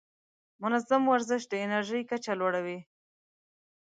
منظم ورزش د انرژۍ کچه لوړه وي.